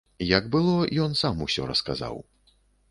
Як было, ён сам усё расказаў.